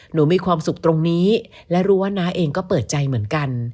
มีความสุขตรงนี้และรู้ว่าน้าเองก็เปิดใจเหมือนกัน